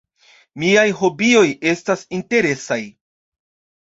Miaj hobioj estas interesaj.